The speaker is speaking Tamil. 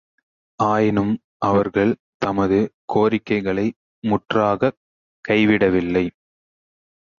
ஆயினும் அவர்கள் தமது கோரிக்கைகளை முற்றாகக் கைவிடவில்லை.